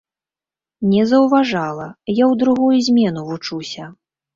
Не заўважала, я ў другую змену вучуся.